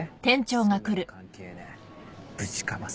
そんなの関係ねえぶちかませ」